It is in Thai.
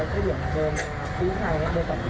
ตอนนี้เขาเริ่มยืนมาหยุดมาให้เขาอยู่ตรงนี้